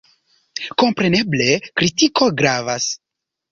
Kompreneble, kritiko gravas.